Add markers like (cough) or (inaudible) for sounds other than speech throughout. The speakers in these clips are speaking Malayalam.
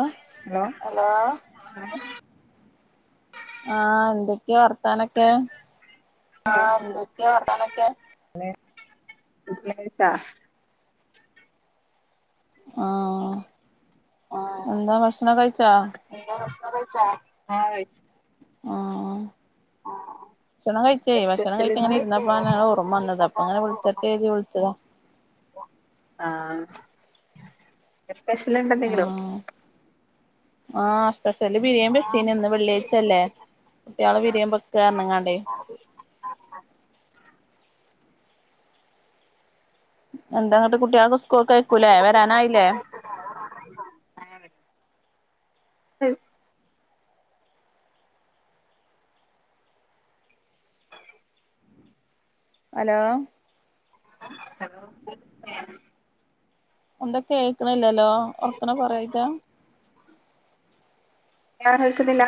ആ ഹലോ ഹലോ (inaudible) ആഹ എന്തൊക്കെയാ വർത്താനൊക്കെ ആഹ എത്തെ വർത്താനൊകെ ന്തൊക്കെയ ആ എന്താ ഭക്ഷണം കഴിച്ചാ? എന്ത ഭഷനകയി (inaudible) ച്ചാ ആഹ കഴച്ച ആഹ എ്പ (inaudible) കഴിച്ച് ഇങ്ങനെ ഇരുന്നപ്പോ അങ്ങനെ ഓർമ്മ വന്നത് അപ്പൊ അങ്ങനെ വിളിച്ചട്ടെ കരുതി വിളിച്ചതാ ആഹ് സ്പെഷ്യല് ആഹ് ആഹ് സ്പെഷ്യല് ബിരിയേണി വെച്ചീനു ഇന്ന് വെള്ളിയാഴ്ല്ലേ കുട്ടിയേള് ബിരിയേണി വെക്കാർഞ്ഞിങ്ങാണ്ടേ എന്താങ്ങട്ട് കുട്ടിയോളൊക്കെ സ്കൂൾക്ക്‌ പോയെര്ക്കൂല്ലേ വരാനായില്ലേ? (unintelligible) ക്ലിയർ ഹലോ ഹലോ ഏഹ് എന്താ കേക്കണില്ലല്ലോ ഒറക്കനെ പറയായിട്ടാ? ല്ലാ കേൾക്കുന്നില്ല?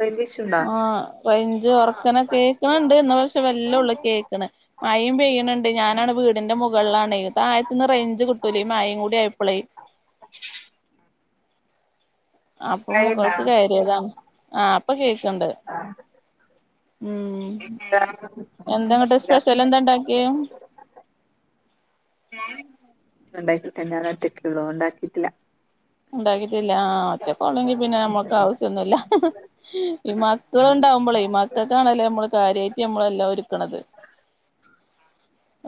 റെയ്ഞ്ച് ഇഷ്യൂ ണ്ട് ആ റെയ്ഞ്ച് ഒറക്കനെ കേക്ക്ണ്ട് ഇന്ന പക്ഷെ മെല്ലോള്ളൂ കേക്കാ ക്ക്‌ണ് മഴീയ് പെയ്യിണ് ഞാനാണ് വീടിന്റെ മുകളിലാണെ. തായത്തിന്ന് റയ്ഞ്ച് കിട്ടൂലേ ഈ മയേകൂടി ആയപ്പളേ. (inaudible) അപ്പൊ മഴയുണ്ടോ മുകൾക്ക് കയറിയതാണ്. ആ ഇപ്പൊ കേക്ക്ണ്ട് ഉം. ഇല്ല, എന്താങ്ങട്ട് സ്പെഷ്യലെന്താണ്ടാക്കിയേ? (inaudible) ഏഹ് ഇണ്ടാക്കിട്ടില്ല ഞാനൊറ്റക്ക്ള്ളതോണ്ട് ഇണ്ടാക്കിയിട്ടില്ല. ഇണ്ടാക്കിട്ടില്ല ആ ഒറ്റൊക്കൊള്ളൊങ്കി പിന്നെ ഞമ്മക്കാവശ്യന്നുല്ല. ഈ മക്കള്ണ്ടാവുമ്പള് മക്കൾക്കാണല്ലോ ഞമ്മള് കാര്യായിട്ട് നമ്മളെല്ലാം ഒരുക്ക്‌ണത്.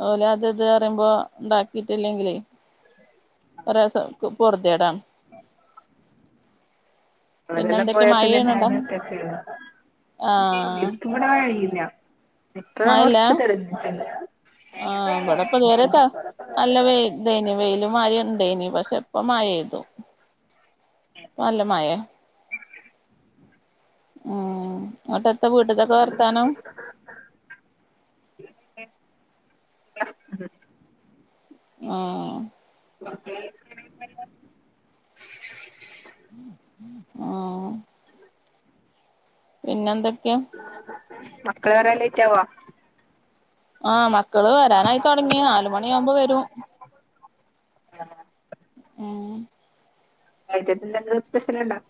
ഓല് അത് ഇത് പറയുമ്പോ ഇണ്ടാക്കിട്ടില്ലെങ്കിലേ കൊറേസോ ഒൽക്ക് പൊർദിയേടാണ്. പിന്നെ അവരെെല്ലാം എന്തൊക്കെ പോയാ പിന്നെ മഴെയ്യ്ണണ്ടോ ഞാനൊറ്റക്കല്ലേള്ളൂ. ആഹ് ഇനിക്ക്ബടെ കഴിയില്ല. ഇപ്പൊ ഞാൻ മഴല്ല കൊറച് തെരക്കിലാ ആഹ് ഇബടെപ്പോ ഇതുവരെ ട്ടാ നല്ല വെയിൽ ദൈനു വെയിലും മഴയും ഉണ്ടൈനി. പക്ഷെ, ഇപ്പൊ മഴെയേ്തു. ഇപ്പൊ നല്ല മയെ ഉം, ഇങ്ങട്ട് എത്ത വീട്ടിത്തൊക്കെ വർത്താനം? വൈകിട്ട് (unintelligible) ആഹ് ആഹ് ഒക്കെ ആഹ്. ഉം. പിന്നെ എന്തൊക്കെ? മക്കള് വരാൻ ലേറ്റാവോ? ആഹ് മക്കള് വരാനായിതൊടങ്ങി നാല്മണിയാവുമ്പോ വരും. ആഹ് ഏഹ് വൈകിട്ടന്തെങ്കിലും സ്പെഷ്യലുണ്ടോ?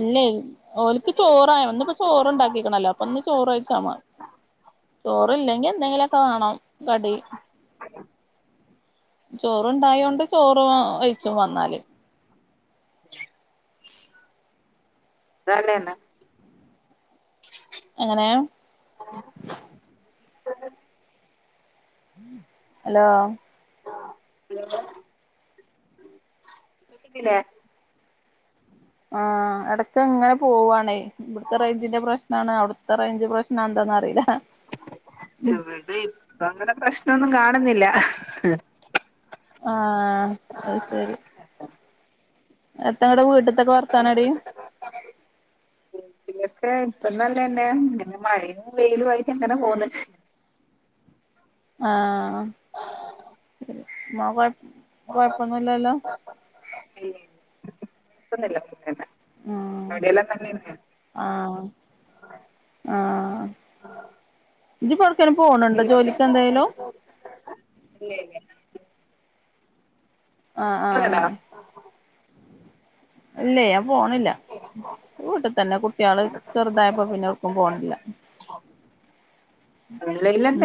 ഇല്ലേയ്, ഓൽക്ക് ചോറായ ഇന്ന്പ്പോ ചോറുണ്ടാക്കിക്ക്‌ണല്ലോ അപ്പൊന്ന് ചോറൈച്ചാ മാ ചോറില്ലെങ്കി എന്തെങ്കിലൊക്കെ വാണം കടി ചോറ്ണ്ടായോണ്ട് ചോറ് വൈയ്ച്ചും വന്നാല്. തന്നെ? എങ്ങനെ? ഹലോ ലോ ഹലോ കേക്കിണ്ട്ല്ലേ ആഹ് എടക്ക്ങ്ങനെ പോവാണേ. ഇവിട്ത്തെ റേഞ്ചിന്റെ പ്രശ്നാണ് അവിട്ത്തെ റേഞ്ച് പ്രശ്നാന്താന്നറിലാ ഇവടീം ഇപ്പോങ്ങനെ പ്രശ്നൊന്നും കാണ്ന്നില്ല. ആ അഹ് സരി എത്ത അവ്ടെ വീട്ട്ത്തോക്കെ വർത്തന ടീ വീട്ടിലൊക്കെ ഇപ്പന്നല്ലതന്നെ ഇങ്ങനെ മഴയും വെയിലു ആയിട്ട് എങ്ങനെ പോകന്ന് ആ (unintelligible) ഉം അടെല്ലാം നല്ലന്നെ ആഹ് ആഹ് ആ ഇജ്ജിപ്പോ എവിടക്കേലും (unintelligible) പോണുണ്ടോ ജോലിക്ക് എന്തേലും ഇല്ലേ ല്ലേ ആ ആ ണ്ടോ ആഹ് ഇല്ല ഞാൻ പോണില്ല വീട്ടിൽ തന്നെ കുട്ടികള് ചെറുതായപ്പോ പിന്നെർക്കും പോണില്ല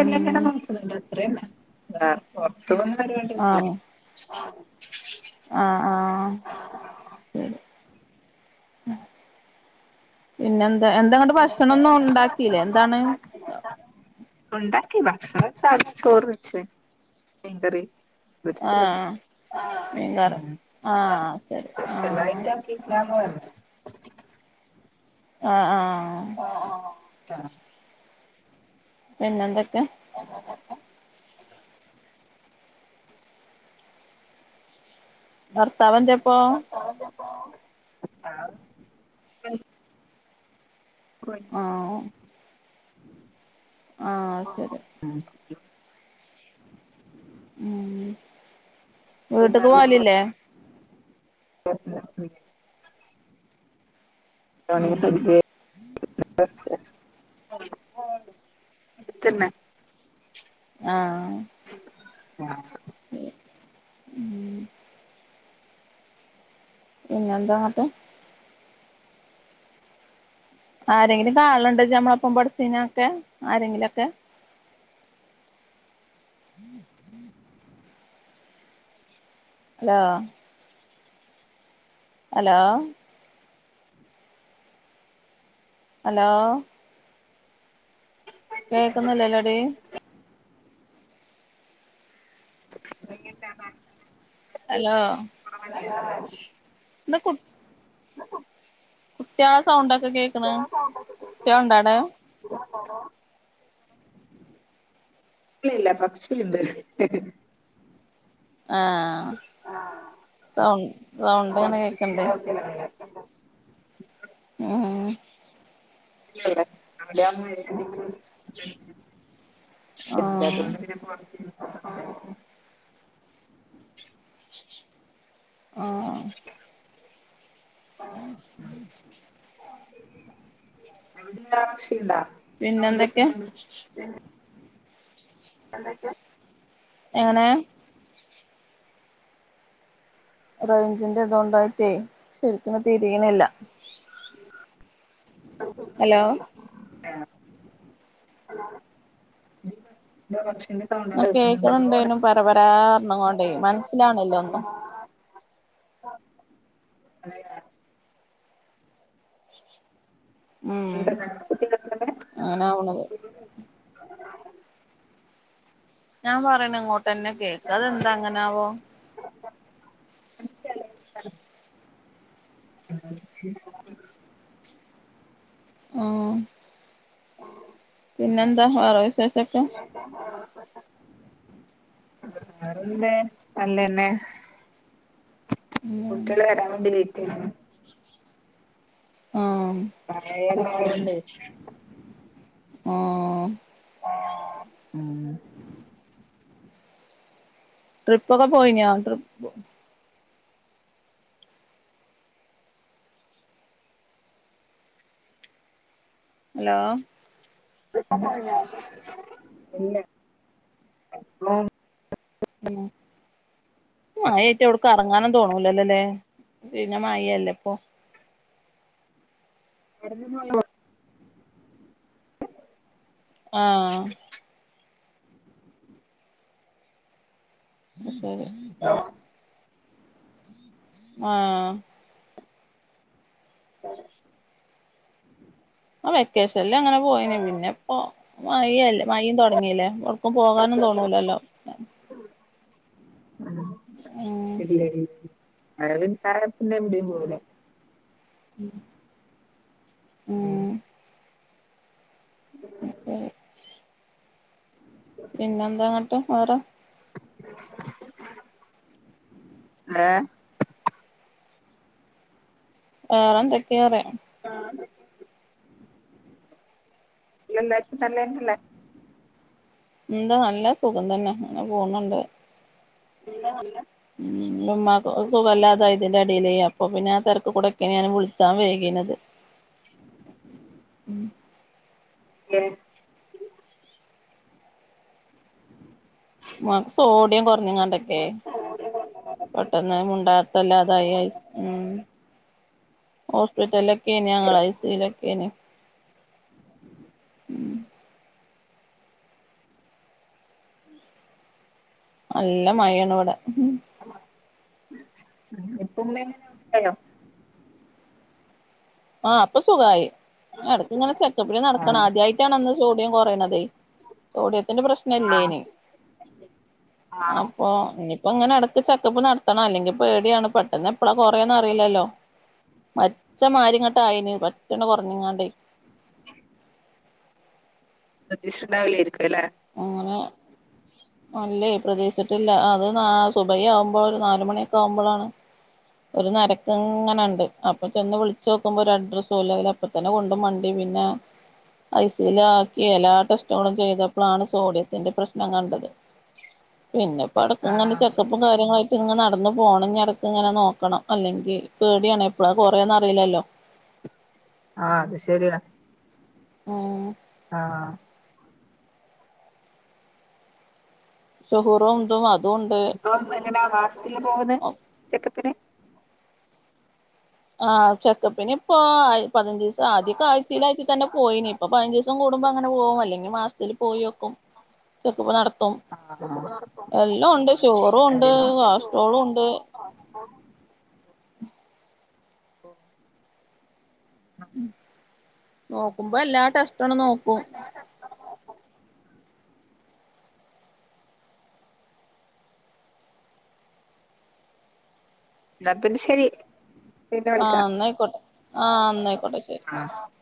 ഉം നോക്കുന്നുണ്ട് അത്രന്നെ പുറത്ത് പോന്ന പരിപാടിന്നുല്ല ആ ആഹ് ഹ് ആ പിന്നെ എന്താ എന്താങ്ങട്ട് ഭക്ഷണോന്നും ഉണ്ടാക്കില്ലേ എന്താണ് (unintelligible) ഉണ്ടാക്കാക്കി ഭക്ഷണം സാധാ ചോറ് വച്ച് മീൻ കറി ആഹ് സ്പെഷലായിട്ട മീൻകറി ആഹ് ശരി ആഹ് (unintelligible) ആ ആഹ് ആ പിന്നെന്തക്കെ (unintelligible) ഭർത്താവെന്തേ പ്പൊ (unintelligible) (unintelligible) ആഹ് ആഹ് ആ ശരി ആഹ് ഉം ഉം വീട്ട്ക്ക് പോലില്ലേ (unintelligible) ഉം (unintelligible) (unintelligible) കോളേജ്ക്ക് പോകൂണ്ട് വടെ അട്തന്നെ ആഹ് (unintelligible) ഏ ഉം പിന്നെന്താ ങ്ങട്ട് ആരെങ്കിലും കാണാലുണ്ടോ ഇജ് നമ്മളെപ്പം പടിച്ചീനിയൊക്കെ ആരെങ്കിലക്കെ (unintelligible) ഹലോ അലോ ഹലോ കേക്കുന്നില്ലല്ലോടീ പിന്നെന്താ ഹലോ (unintelligible) ബടെ കുട്ടി കുട്ട്യാളെ സൗണ്ടോക്കെ കേൾക്ക് ണ് കുട്ടിള്ണ്ടടെ (unintelligible) ഇല്ല കോർച്ച്ണ്ട് ആ സൗ സൗണ്ട് ങ്ങനെ പുറത്ത് കേക്ക്ണ്ട് (unintelligible) ഉം (inaudible) ആഹ് (unintelligible) (inaudible) (inaudible) (inaudible) (unintelligible) പിന്നെന്തെക്കെയാ കേൾക്കുന്നുണ്ട് എന്തെക്കെ എങ്ങനെ റേഞ്ചിന്റെ ഇതുകൊണ്ടായിട്ടേ ശരിക്കിന് തിരിയണില്ല ഹലോ (inaudible) (inaudible) ഞാ കേക്ക്ണ് കേൾക്കുന്നുണ്ടല്ലോന്ന് ണ്ടേനും പരപരാന്ന് കൊണ്ടേ മനസ്സിലാവണില്ലാ ഒന്നും (inaudible) ഉം എന്താ കണക്ക് കുത്തി കേൾക്കുന്നെ? ഓനവ്ണത് ഞാൻ പറയണ ഇങ്ങോട്ടന്നെ കേക്കാ അതെന്താ അങ്ങനാവോ ചിലര് പറഞ്ഞു. (inaudible) ആഹ് പിന്നെന്താ വേറ വിശേഷൊക്കെ വേറെന്തേ നല്ലന്നെ ഉം കുട്ട്യേള് വരാൻ വേണ്ടി ലേറ്റായി ആഹ് പറയല്ല (unintelligible) ഓ (inaudible) ട്രിപ്പ് ഒക്കെ പോയിനോ ഹലോ (unintelligible) ഇല്ലെ (inaudible) മയയായിട്ട് എവിടക്ക് കറങ്ങാനും തോന്നൂലല്ലല്ലേ പിന്നെ മയല്ലേ ഇപ്പൊ (unintelligible) ആഹ് (unintelligible) (inaudible) ആഹ് (inaudible) ആ വെക്കേഷനിൽ അങ്ങനെ പോയിന് പിന്നെ ഇപ്പൊ മഴല്ലേ മഴ തുടങ്ങില്ലേ ഇപ്പ പോകാനും തോന്നൂലല്ലോ ഉം ഇല്ല (unintelligible) (inaudible) ഉം (inaudible) (inaudible) പിന്നെന്താങ്ങട്ട് വേറെ ഏഹ് വേറെന്തക്കയ (unintelligible) നല്ലതന്നല്ലെ എന്താ നല്ല സുഖം തന്നെ അങ്ങനെ പോന്നുണ്ട് (inaudible) ഉമ്മുമാക്ക് സുഖമില്ലാതായി ഇതിൻ്റെ ഇടയിലേ അപ്പൊ പിന്നെ ആ തിരക്ക് കൂടൊക്കെ ഞാൻ വിളിച്ചാൻ വൈകീനത് (inaudible) ഇമ്മക്ക് സോഡിയം കുറഞ്ഞെങ്ങണ്ടക്കേ പെട്ടെന്ന് മുണ്ടാട്ടയില്ലാതായി ഐ സ് മ് ഹോസ്പിറ്റലൊക്കെയാണ് ഞങ്ങള് ഐ സി യൂ ലൊക്കെയന് നല്ല മയയാണിവിടെ ഇപ്പ ഉമ്മ (unintelligible) ആയോ? ആഹ് അപ്പൊ സുഖായി എടക്കിങ്ങനെ ചെക്കപ്പിനു നടക്കണം ആഹ് ആദ്യായിട്ട് ണന്ന് സോഡിയം കൊറയണത് സൊഡിയത്തിന്റെ പ്രശ്നം ആഹ് ഇല്ലെന് ആഹ് അപ്പൊ ഇനിയിപ്പോ ഇങ്ങനെ ഇടക്ക് ചെക്കപ്പ് നടത്തണം അല്ലെങ്കി പേടിയാണ് പെട്ടെന്ന് എപ്പഴാ കൊറയാന്ന് അറിയില്ലല്ലോ മച്ച മാരി ഇങ്ങോട്ടായിന് പെട്ടന്ന് കൊറഞ്ഞിങ്ങാണ്ട്. ശ്രെദ്ധിച്ചോണ്ടാവൂലായിരിക്കും ലേ അങ്ങനെ അല്ലേ പ്രതീഷിച്ചിട്ടില്ല അത് നാ സുബൈ ആവുമ്പോൾ ഒരു നാലുമണിയൊക്കെ ആവുമ്പോഴാണ് ഒരു നരക്കിങ്ങനണ്ട് അപ്പൊ ചെന്ന് വിളിച്ചു നോക്കുമ്പോ ഒരു അഡ്രസ്സുല്ല അ അപ്പ തന്നെ കൊണ്ട് മണ്ടി പിന്നെ ഐ സി യൂ ല് ആ എല്ലാ ടെസ്റ്റുകളും ചെയ്തപ്പോഴാണ് സോഡിയത്തിന്റെ പ്രശ്നം കണ്ടത്. പിന്നെ പ്പാ ഇടക്ക് ഇങ്ങനെ ആഹ് ചെക്കപ്പും കാര്യങ്ങളായി ഇങ്ങ് നടന്ന് പോകണങ്കിലിടക്കിങ്ങനെ നോക്കണം അല്ലെങ്കിൽ പേടിയാണ് എപ്പോളാ കുറയുന്നേ അറിയില്ലല്ലോ ആഹ് അത് ശരിയാ മ് ആഹ് ഷുഗറും ധും അതുംണ്ട് അപ്പം എങ്ങനെയ മാസത്തില് പോകുന്നത് ചെക്കപ്പിന് ആഹ് ചെക്കപ്പിനിപ്പോ ആ പതിനഞ്ച് ആദ്യൊക്കെ ആഴ്ചയിൽ ആഴ്ച്ചേതന്നെ പോയിനി. ഇപ്പൊ പതിനഞ്ച് ദിവസം കൂടുമ്പോ അങ്ങനെ പോകും അല്ലെങ്കിൽ മാസത്തില് പോയി വെക്കും ചെക്കപ്പ് നടത്തും. ആഹ് എല്ലാം ഉണ്ട് ഷുഗറും ഉണ്ട്, അതിന് കൊളസ്ട്രോളും ഉണ്ട് നോക്കുമ്പോ എല്ലാ ടെസ്റ്റണ് നോക്കും. എന്ന പിന്നെ ശരി പിന്നെ ആ വിളിക്ക എന്നായിക്കോട്ടെ ആ എന്നായിക്കോട്ടെ ശരി ആഹ്.